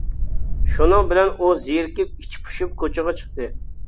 شۇنىڭ بىلەن، ئۇ زېرىكىپ، ئىچى پۇشۇپ، كوچىغا چىقتى.